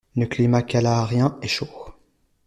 Le climat kalaharien est chaud.